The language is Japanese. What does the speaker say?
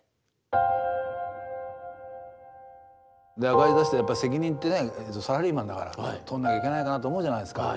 赤字出してやっぱり責任ってねサラリーマンだから取んなきゃいけないかなって思うじゃないですか。